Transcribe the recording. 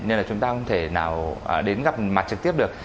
nên là chúng ta không thể nào đến gặp mặt trực tiếp được